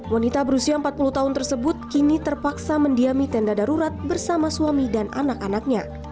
wanita berusia empat puluh tahun tersebut kini terpaksa mendiami tenda darurat bersama suami dan anak anaknya